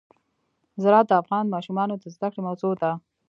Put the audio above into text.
زراعت د افغان ماشومانو د زده کړې موضوع ده.